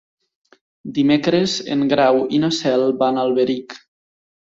Dimecres en Grau i na Cel van a Alberic.